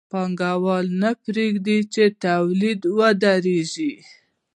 پانګوال نه پرېږدي چې تولید ودرېږي